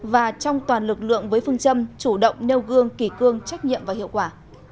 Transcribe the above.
và trong toàn lực lượng với phương châm chủ động nêu gương kỳ cương trách nhiệm và hiệu quả